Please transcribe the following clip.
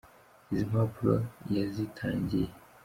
Izi mpapuro yazitangiye.